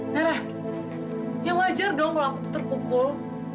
nara ya wajar dong kalau aku terpukul